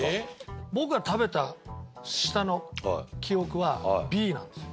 僕が食べた舌の記憶はＢなんですよ。